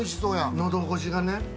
のどごしがね。